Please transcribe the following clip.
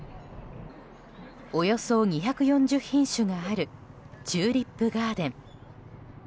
およそ２４０品種があるチューリップガーデン。